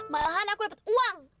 malahan aku dapat uang